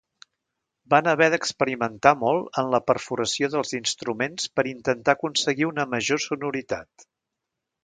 Van haver d’experimentar molt en la perforació dels instruments per intentar aconseguir una major sonoritat.